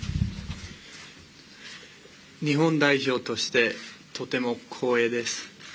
日本代表としてとても光栄です。